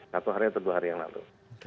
satu hari atau dua hari yang lalu